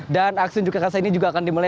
dan aksi unjukirasa ini juga akan dimulai